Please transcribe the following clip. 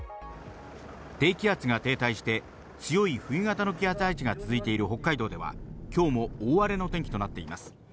低気圧が停滞して強い冬型の気圧配置が続いている北海道では今日も大荒れの天気となっています。